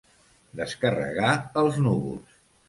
Descarregar els núvols.